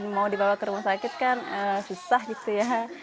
mau dibawa ke rumah sakit kan susah gitu ya